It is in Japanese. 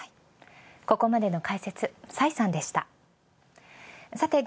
ここまでの解説、崔さんでした。